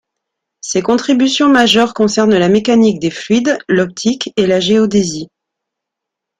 Ses contributions majeures concernent la mécanique des fluides, l'optique et la géodésie.